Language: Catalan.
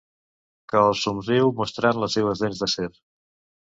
Que els somriu mostrant les seues dents d'acer.